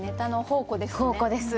宝庫です。